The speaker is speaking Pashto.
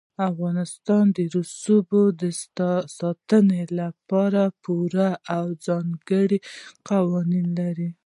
افغانستان د رسوب د ساتنې لپاره پوره او ځانګړي قوانین لري.